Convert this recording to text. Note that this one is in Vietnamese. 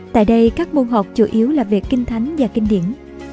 tại đây các môn học chủ yếu là về kinh thánh và kinh điển